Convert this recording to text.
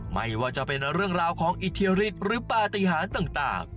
ไม่ว่าจะเป็นเรื่องราวของอิทธิฤทธิ์หรือปฏิหารต่าง